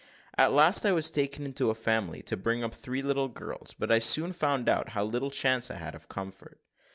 At last I was taken into a family to bring up three little girls; but I soon found out how little chance I had of comfort.